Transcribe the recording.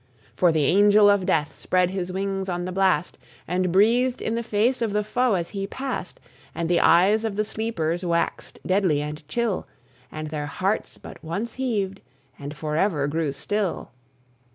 For the Angel of Death spread his wings on the blast, And breathed in the face of the foe as he passed; And the eyes of the sleepers waxed deadly and chill, And their hearts but once heaved, and forever grew still!